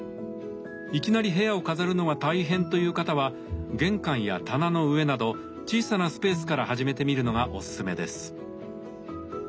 いきなり部屋を飾るのは大変という方は玄関や棚の上など小さなスペースから初めてみるのがおすすめです。